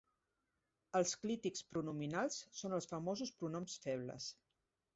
Els clítics pronominals són els famosos pronoms febles.